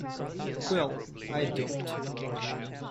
Well, I don't.